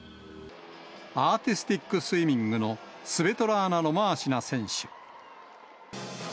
アーティスティックスイミングのスベトラーナ・ロマーシナ選手。